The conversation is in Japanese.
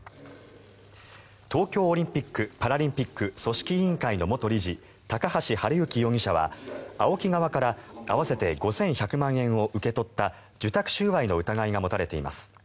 東京オリンピック・パラリンピック組織委員会の元理事、高橋治之容疑者はＡＯＫＩ側から合わせて５１００万円を受け取った受託収賄の疑いが持たれています。